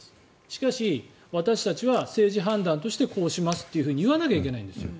しかし、私たちは政治判断としてこうしますと言わなきゃいけないんですよ。